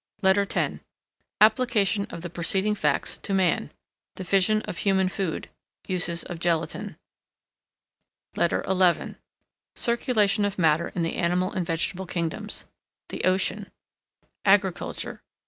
LETTER X Application of the preceding facts to Man. Division of human Food. Uses of Gelatine. LETTER XI CIRCULATION OF MATTER IN THE ANIMAL AND VEGETABLE KINGDOMS. The Ocean. AGRICULTURE.